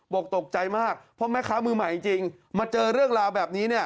บอกตกใจมากเพราะแม่ค้ามือใหม่จริงมาเจอเรื่องราวแบบนี้เนี่ย